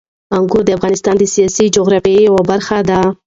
انګور د افغانستان د سیاسي جغرافیې یوه برخه ده.